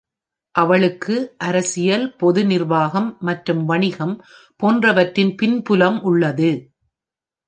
அவளுக்கு அரசியல், பொது நிர்வாகம் மற்றும் வணிகம் போன்றவற்றின் பின்புலம் உள்ளது.